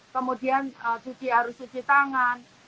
kemudian cuci harus cuci tangan